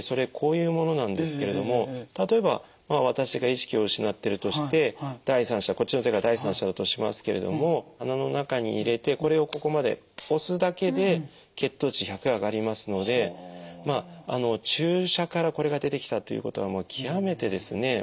それこういうものなんですけれども例えば私が意識を失ってるとして第３者こっちの手が第３者だとしますけれども鼻の中に入れてこれをここまで押すだけで血糖値１００上がりますのでまああの注射からこれが出てきたということはもう極めてですね